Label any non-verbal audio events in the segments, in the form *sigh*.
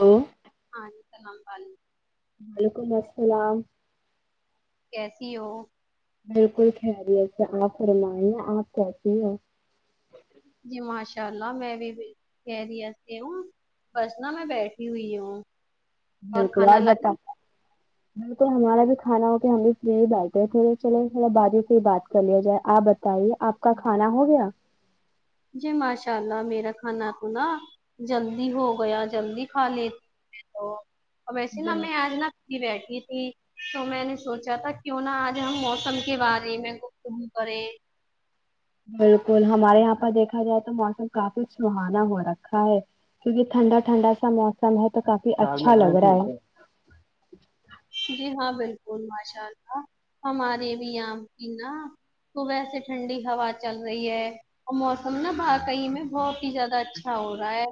او ہاں *unintelligible* وعلیکم السلام کیسی ہو بالکل خیریت سے آپ فرمائیں آپ کیسی ہو جی ماشاء اللہ میں بھی بالکل خریت سے ہوں بس نا میں بیٹھی ہوئی ہوں بالکل کھانا اور بتا لائی بالکل ہمارا بھی کھانا ہو کہ ہم بھی یے بیٹھے تھوڑے چلے تھوڑا باجی سے ہی بات کر لیا جائے آپ بتائیے آپ کا کھانا ہو گیا جی ماشاء اللہ میرا کھانا تو نا جلدی ہو گیا جلدی کھا لے تو آ ویسے نا میں بالکل آج نا فری بیٹھی تھی تو میں نے سوچا تھا کیوں نا آج ہم موسم کے بارے میں تم کریں بالکل ہمارے یہاں پر دیکھا جائے تو موسم کافی سہانا ہوا رکھا ہے کیونکہ ٹھنڈا ٹھنڈا سا موسم ہے تو کافی اچھا لگ رہا ہے جی ہاں بالکل ماشاء اللہ ہمارے بھی یہاں پے نا صبح سے ٹھنڈی ہوا چل رہی ہے اور موسم نا باہر سحیح میں بہت ہی زیادہ اچھا ہو رہا ہے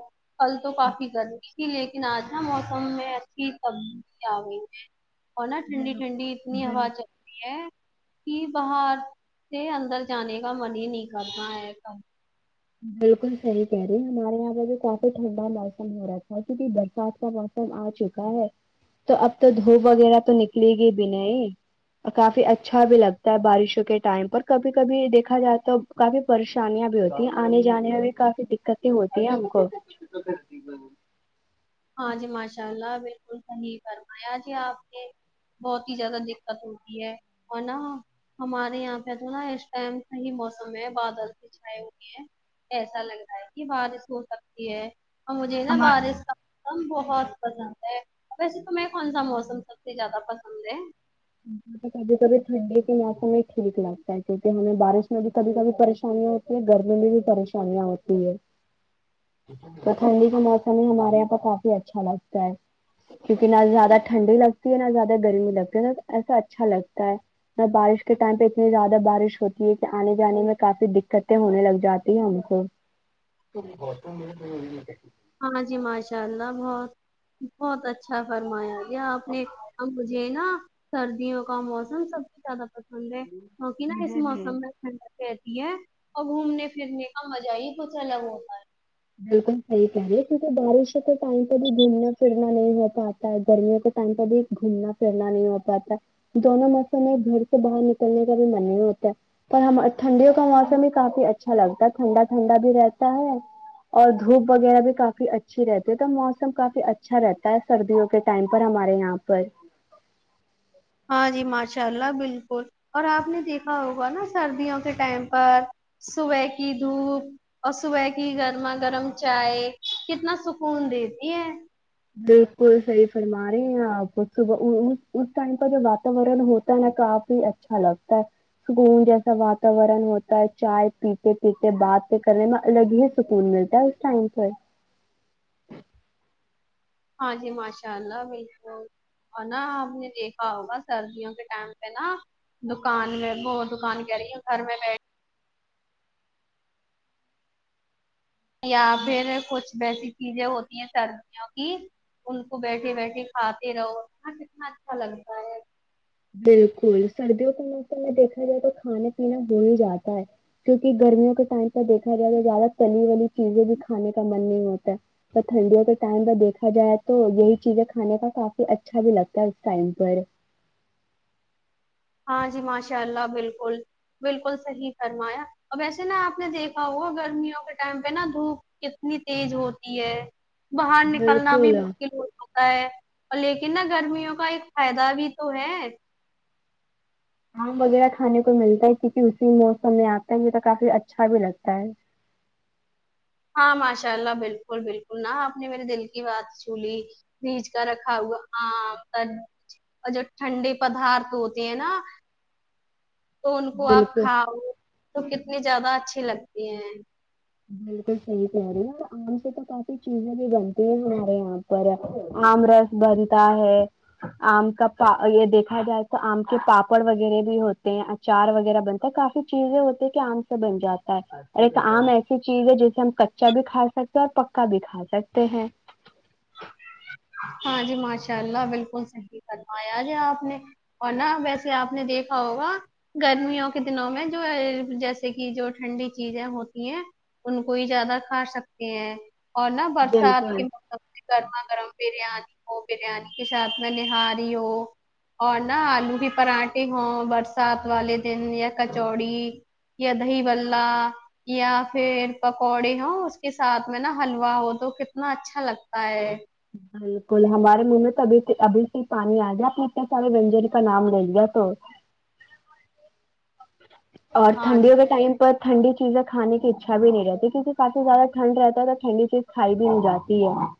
کل تو کافی گرمی تھی لیکن آج نا موسم میں اچھی تبدیلی آ گئی ہے اور نہ ٹھنڈی بالکل ٹھنڈی اتنی بالکل ہوا چل تی ہے باہر سے اندر جانے کا من ہی نہیں کرنا ہے کم بالکل صحیح کہہ رہی ہمارے یہاں پے بھی کافی ٹھنڈا موسم ہو رہا تھا کیونکی برسات کا موسم آ چکا ہے تو اب تو دھوپ وغیرہ تو نکلے گی بھی نہیں کافی اچھا بھی لگتا ہے بارشوں کے ٹائم پر کبھی کبھی دیکھا جائے تو کافی پریشانیاں بھی ہوتی ہیں آنے جانے میں بھی کافی دقتیں ہوتی ہیں ہم کو ہاں جی ماشاء اللہ بالکل صحیح فرمایا جی آپ نے بہت ہی زیادہ دقت ہوتی ہے اور نا ہمارے یہاں پہ جو نا اس ٹائم صحیح موسم ہے بادل سے چھائے ہوئے ہیں ایسا لگتا ہے کی بارش ہو سکتی ہے اور مجھے نا ہمارے بارش کا سم بہت پسند ہے ویسے تمہیں کون سا موسم سب سے زیادہ پسند ہے تو کبھی کبھی ٹھنڈے کے موسم میں ٹھیک لگتا ہے کیونکہ ہمیں بارش میں بھی کبھی کبھی پریشانی ہوتی گرمی میں بھی پریشانیاں ہوتی ہے تو ٹھنڈی کا موسم ہی ہمارے یہاں پر کافی اچھا لگتا ہے کیونکہ نہ زیادہ ٹھنڈی لگتی ہے نہ زیادہ گرمی لگتی ہے تو ایسا اچھا لگتا ہے بارش کے ٹائم پہ اتنی زیادہ بارش ہوتی ہے کہ آنے جانے میں کافی دقتیں ہونے لگ جاتی س *unintelligible* ہاں جی ماشاء اللہ بہت بہت اچھا فرمایا جی آپ نے مجھے نا سردیوں کا موسم سب زیادہ پسند ہے کیونکہ نہ اس مجھے بھی موسم میں ٹھنڈا کہتی ہے اور گھومنے پھرنے کا مزہ ہی کچھ الگ ہوتا ہے بالکل صحیح کہہ رہی ہے کیونکہ بارشوں کے ٹائم پہ بھی گھومنا پھرنا نہیں ہوتا گرمی ہو تو ٹائم پہ بھی گھومنا پھرنا نہیں ہو پاتا دونوں موسم میں گھر سے باہر نکلنے کا بھی من ہی نہیں ہوتا ہے پر ہم ٹھنڈیوں کا موسم ہی کافی اچھا لگتا ہے ٹھنڈا ٹھنڈا بھی رہتا ہے اور دھوپ وغیرہ بھی کافی اچھی رہتی ہے تو موسم کافی اچھا رہتا ہے سردیوں کے ٹائم پر ہمارے یہاں پر ہاں جی ماشاء اللہ بالکل اور آپ نے دیکھا ہوگا نا سردیوں کے ٹائم پر صبح کی دھوپ اور صبح کی گرما گرم چائے کتنا سکون دیتی ہے بالکل صحیح فرما رہے ہیں آپ صبح اس ٹائم کا جو واتاورن ہوتا ہے نا تو آپ بھی اچھا لگتا ہے سکون جیسا واتاورن ہوتا ہے چائے پیتے پیتے باتیں کرنے میں الگ ہی سکون ملتا ہے اس ٹائم سے ہاں جی ماشاء اللہ بالکل اور نا آپ نے دیکھا ہوگا سردیوں کے ٹائم پہ نا دکان میں وہ دکان کہہ رہی ہے گھر میں بیٹھ یا پھر کچھ بیسک چیزیں ہوتی ہیں سردیوں کی ان کو بیٹھے بیٹھے کھاتے رہو یہاں کتنا اچھا لگتا ہے بالکل سردیوں کے موسم میں دیکھا جائے تو کھانے پینا ہو ہی جاتا ہے کیوںکہ گرمیوں کے ٹائم سے دیکھا جائے تو زیادہ تلی ولی چیزیں بھی کھانے کا من نہیں ہوتا اور ٹھنڈیوں کے ٹائم پر دیکھا جائے تو یہی چیزیں کھانے کا کافی اچھا بھی لگتا ہے اس ٹائم پر ہاں جی ماشاء اللہ بالکل بالکل صحیح فرمایا ا ویسے نا آپ نے دیکھا ہوا گرمیوں کے ٹائم پہ نا دھوپ کتنی تیز ہوتی ہے باہر نکلنا بھی بالکل مشکل ہوتا ہوتا ہے اور لیکن نا گرمیوں کا ایک فائدہ بھی تو ہے آم وغیرہ کھانے کو ملتا ہے کیونکہ اسی موسم میں آتا ہے یہ کافی اچھا بھی لگتا ہے ہاں ماشاء اللہ بالکل بالکل نہا آپ نے میرے دل کی بات سنلی فریج کا رکھا ہوا عام تربوز اور جو ٹھنڈے پدارت ہوتے ہیں نا تو ان کو آپ بالکل کھاؤ تو کتنی زیادہ اچھی لگتی ہیں بالکل صحیح کہہ رہی ہے اور آم سے تو کافی چیزیں بھی بنتی ہیں ہمارے یہاں آم رس بنتاہے آم کا پا یہ دیکھا جائے تو آم کے پاپڑ وغیرہ بھی ہوتے ہیں چار وغیرہ بنتا ہے کافی چیزیں ہوتی ہے کہ آم سے بن جاتا ہے اور ایک آم ایسی ای چیز ہے جسے ہم کچا بھی کھا سکتے ہیں اور پکا بھی کھا سکتے ہیں ہاں جی ماشاء اللہ بالکل صحیح فرمایا جی آپ نے اور نا ویسے آپ نے دیکھا ہوگا گرمیوں کے دنوں میں جو جیسے کہ جو ٹھنڈی چیزیں ہوتی ہیں ان کو ہی زیادہ کھا سکتے ہیں اور نہ برسات بالکل کے موسم سے گرمآ گرم بریانی ہو بریانی کے ساتھ میں نہاری ہو اور نہا آلو کے پراٹھے ہوں برسات والے دن یا کچوڑی یا دہی باللہ یا پھر پکوڑے ہو اس کے ساتھ میں نا حلوا ہو تو کتنا اچھا لگتا ہے بالکل ہمارے منہ میں تو ابھی ابھی سے ہی پانی آ گیا اپنے اتنے سارے ونجنی کا نام لے گیا تو اور ہاں جی ٹھنڈیوں کا ٹائم پر ٹھنڈی چیزیں کھانے کی اچھا بھی نہیں رہتی کیونک کافی زیادہ ٹھنڈ رہتا ہے ادھر ٹھنڈی چیز کھائی بھی ہو جاتی ہے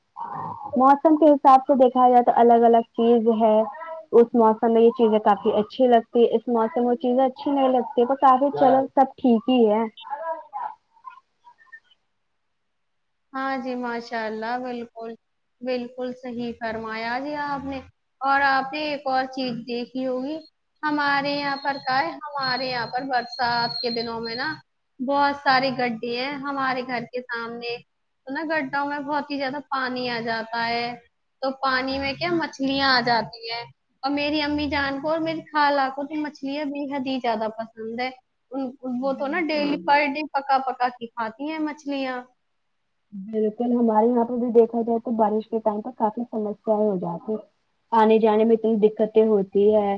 موسم کے حساب سے دیکھا جائے تو الگ الگ چیز ہے اس موسم میں یہ چیزیں کافی اچھی لگتی ہے اس موسم میں وہ چیزیں اچھی نہیں لگتی دیکھو ثابت کروں سب ٹھیک ہی ہے ہاں جی ماشاء اللہ بالکل بالکل صحیح فرمایا جی آپ نے اور آپ نے ایک اور چیز دیکھی ہوگی ہمارے یہاں پر کا ہے ہمارے یہاں پر برسات کے دنوں میں نا بہت ساری گڈے ہیں ہمارے گھر کے سامنے تو نا گڈو میں بہت ہی زیادہ پانی آ جاتا ہے تو پانی میں کیا مچھلیاں آ جاتی ہیں اور میری امی جان کو اور میری خا لہ کو تو مچھلیاں بے حد ہی زیادہ پسند ہے ان وہ تو نا بالکل ڈیلی پر ڈے پکا پکا کے کھاتی ہیں مچھلیاں بالکل ہمارے یہاں پہ بھی دیکھا جائے تو بارش کے ٹائم پر کافی سمسیایں ہو جاتی آنے جانے میں اتنی دقتیں ہوتی ہے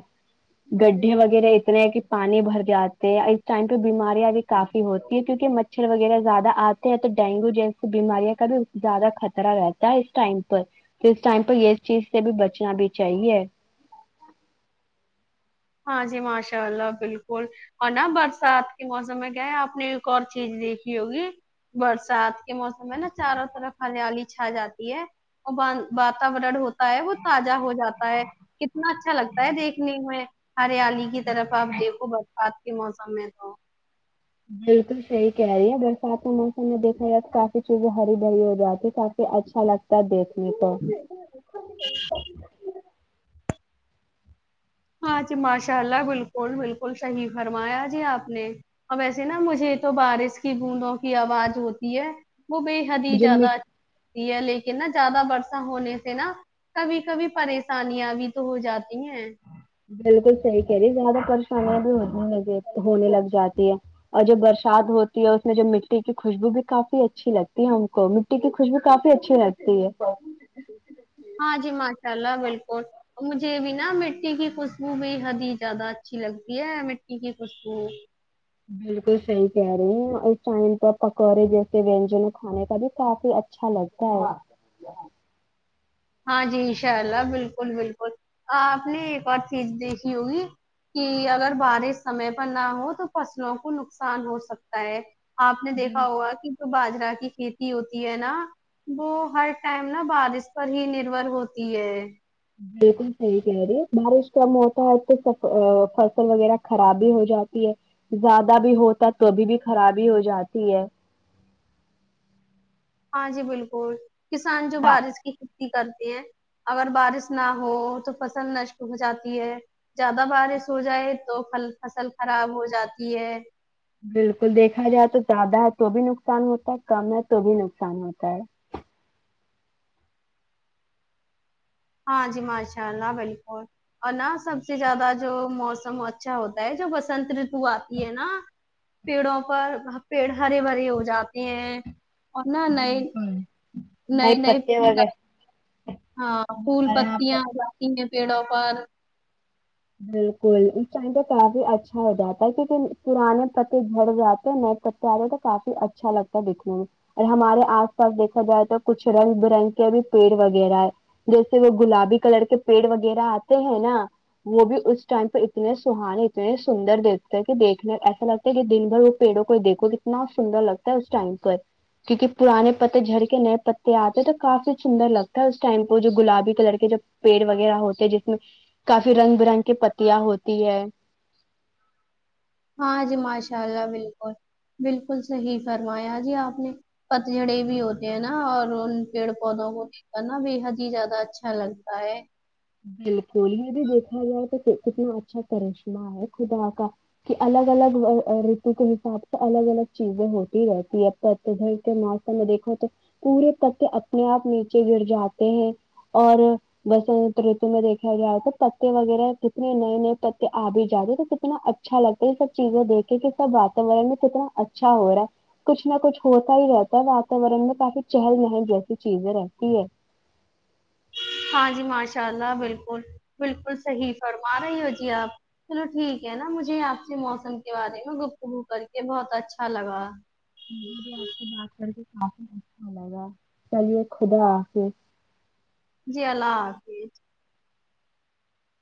گڈھے وغیرہ اتنے ہیں کہ پانی بھر جاتے ہیں اس ٹائم پہ بیماریاں بھی کافی ہوتی ہیں کیونکہ مچھ مچھر وغیرہ زیادہ آتے ہیں تو ڈینگو جیسے تو بیماریا کا بھی زیادہ خطرہ رہتا ہے اس ٹائم پر تو اس ٹائم پہ یہ چیز سے بھی بچنا بھی چاہیے ہاں جی ماشاء اللہ بالکل اور نا برسات کے موسم میں کیا ہے آپ نے ایک اور چیز دیکھی ہوگی برسات موسم میں نا چاروں طرف ہریالی چھا جاتی ہے اور واتورن ہوتا وہ تازہ ہو جاتا ہے کتنا اچھا لگتا ہے دیکھنے میں ہریالی کی طرف آپ دیکھو برسات کے موسم میں تو بالکل صحیح کہہ رہی ہے برسات کے موسم میں دیکھا جائے تو کافی چیزیں ہری بھری ہو جاتی کافی اچھا لگتا کا دیکھنے کو ہاں جی ماشاء اللہ بالکل بالکل صحیح فرمایا جی آپ نے اور ویسے نا مجھے تو بارش کی بوندوں کی آواز ہوتی ہے وہ بے بے حد ہی جو زیادہ مٹی اچھی ہے لیکن نا زیادہ برسا ہونے سے نا کبھی کبھی پریشانیاں بھی تو ہو جاتی ہیں بالکل صحیح کہہ رہی زیادہ پریشانیاں بھی ہونے لگی ہونے لگ جاتی ہے اور جب برشات ہوتی ہے اس میں جب مٹی کی خوشبو بھی کافی اچھی لگتی ہے ہم کو مٹی کی خوشبو کافی اچھی لگتی ہے ہاں جی ماشاء اللہ بالکل مجھے بھی نا مٹی کی خوشبو بھی بےحد ہی زیادہ اچھی لگتی ہے مٹی کی خوشبو بالکل صحیح کہہ رہی ہیں اس ٹائم پر پکوڑے جیسے وینجن کھانے کا بھی کافی اچھا لگتا ہے ہاں جی انشاء اللہ بالکل بالکل آپ نے ایک اور چیز دیکھی ہوگی کہ اگر بارش سمے پر نہ ہو تو فصلوں کو نقصان ہو سکتا ہے آپ نے دیکھا ہوگا کی باجرا کی کھیتی ہوتی ہے نا وہ ہر ٹائم نا بارش پر ہی نربھر ہوتی ہے بالکل صحیح کہہ رہی بارش کا موسم آئے تو فصل وغیرہ خراب بھی ہو جاتی ہے زیادہ بھی ہوتا تو بھی بھی خرابی ہو جاتی ہے ہاں جی بالکل کسان جو بارش کی کھیتی کرتے ہیں اگر بارش نہ ہو تو فصل نشٹ ہو جاتی ہے زیادہ بارش ہو جائے تو پھل فصل خراب ہو جاتی ہے بالکل دیکھا جائے تو زیادہ ہے تو بھی نقصان ہوتا ہے کم ہے تو بھی نقصان ہوتا ہے ہاں جی ماشاء اللہ بالکل اور نا سب سے زیادہ جو موسم اچھا ہوتا ہے جو بسنتریت بو آتی ہے نا پیڑوں پر پیڑ ہرے بھرے ہو جاتے ہیں اور نہ نئے بالکل نئے نئے پتے پھول وغیرہ اور ہاں پھول ہمارے یہاں پر پتیاں جو آتی ہیں پیڑوں پر بالکل اس ٹائم پر کافی اچھا ہو جاتا ہے کیونکہ پرانے پتے جھڑ جاتے ہیں نئے پ تے تو کافی اچھا لگتا ہے دیکنے میں اور ہمارے آس پاس دیکھا جائے تو کچھ رنگ برنگ کے بی پیڑ وغیرہ ہے جیسے وہ گلابی کلر کے پیڑ وغیرہ آتے ہیں نا وہ بھی اس ٹائم پہ اتنے سہان اتنے سندر دیکھتے کہ دیکھنے ایسا لگتا کہ دن بھر وہ پیڑوں کو دیکھو کتنا سندر لگتا ہے اس ٹائم پر کیونکہ پرانے پتے جھڑ کے نئے پتے آتے ہیں تو کافی سندر لگتا ہے اس ٹائم پہ جو گلابی کلر کے جب پیڑ وغیرہ ہوتے جس میں پھر رنگ برنگ کی پتیاں ہوتی ہے ہاں جی ماشاء اللہ بالکل بالکل صحیح فرمایا جی آپ نے پتجھڑے بھی ہوتے ہیں نا اور ان پیڑ پودوں کو بھی نا بےحد ہی زیادہ اچھا لگتا ہے بالکل یہ بھی دیکھا جائے تو کتنا اچھا کرشمہ ہے خدا کا کہ الگ الگ ریتو کے حساب سے الگ الگ چیزیں ہوتی رہتی ہے پتجھڑ کے موسم میں دیکھو تو پورے پت اپنے آپ نیچے گر جاتے ہیں اور بس رتو میں دیکھا گیا تھا پتے وغیرہ کتنے نئے نئے پتے آ بھی جاتے تھے کتنا اچ اچھا لگتا ہے یہ سب چیزیں دیکھے کہ سب واتاورن میں کتنا اچھا ہو رہا ہے کچھ نہ کچھ ہوتا ہی رہتا ہے واتورن میں کافی چہل نہل جیسی چیزیں رہتی ہے ہاں جی ماشاء اللہ بالکل بالکل صحیح فرما رہی ہو جی آپ چلو ٹھیک ہے نا مجھے آپ سے موسم کے بارے میں گفتگو کر کے بہت اچھا لگا مجھے بھی آپ سے بات کر کے کافی اچھا لگا چلیے خدا حافظ جی اللہ حافظ